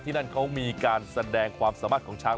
นั่นเขามีการแสดงความสามารถของช้าง